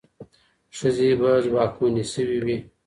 ښځې به ځواکمنې شوې وي.